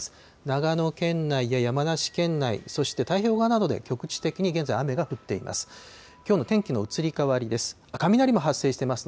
長野県内や山梨県内、そして太平洋側などで局地的に現在、雨が降っています。